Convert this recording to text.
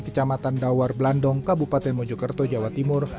kecamatan dawar blandong kabupaten mojokerto jawa timur